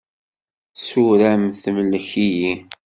Ssura-m temlek-iyi.